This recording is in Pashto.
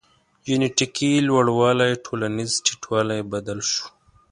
جنټیکي لوړوالی ټولنیز ټیټوالی بدل شو.